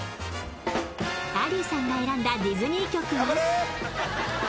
アリーさんが選んだディズニー曲は？